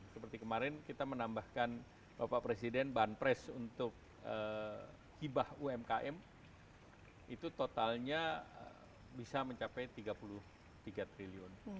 seperti kemarin kita menambahkan bapak presiden bahan pres untuk hibah umkm itu totalnya bisa mencapai rp tiga puluh tiga triliun